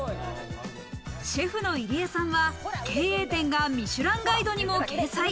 シェフの入江さんは経営店が『ミシュランガイド』にも掲載。